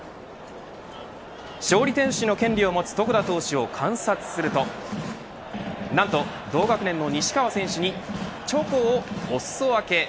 勝利投手の権利を持つ床田投手を観察するとなんと、同学年の西川選手にチョコをお裾分け。